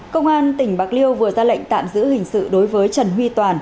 công an tỉnh bạc liêu vừa ra lệnh tạm giữ hình sự đối với trần huy toàn